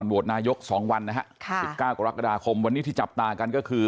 โหวตนายก๒วันนะฮะ๑๙กรกฎาคมวันนี้ที่จับตากันก็คือ